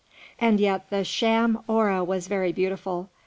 And yet the sham Hora was very beautiful.